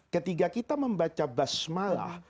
ketika kita membaca basmalah